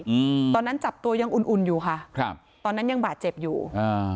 อืมตอนนั้นจับตัวยังอุ่นอุ่นอยู่ค่ะครับตอนนั้นยังบาดเจ็บอยู่อ่า